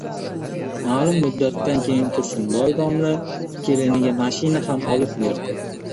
Maʼlum muddatdan keyin Tursinboy domla keliniga mashina ham olib berdi